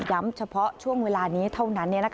เฉพาะช่วงเวลานี้เท่านั้น